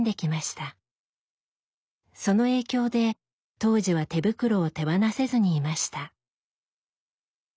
その影響で当時は手袋を手放せずにいました。